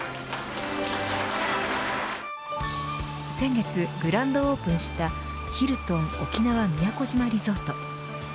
先月グランドオープンしたヒルトン沖縄宮古島リゾート。